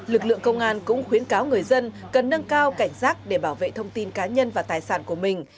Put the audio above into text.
lực lượng công an cũng khuyến cáo người dân cần nâng cao cảnh giác để bảo vệ thông tin cá nhân và tài sản của mình